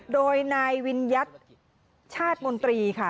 โดยนายวิญญัติชาติมนตรีค่ะ